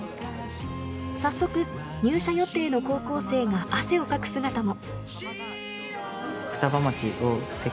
早速、入社予定の高校生が汗をかく姿も。